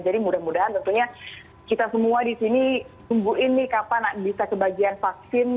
jadi mudah mudahan tentunya kita semua di sini sembuhin nih kapan bisa kebagian vaksin